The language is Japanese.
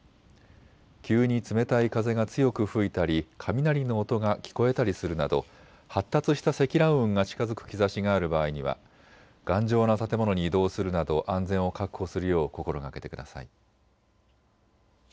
急に冷たい風が強く吹いたり雷の音が聞こえたりするなど発達した積乱雲が近づく兆しがある場合には頑丈な建物に移動するなど安全を確保するよう心がけてください。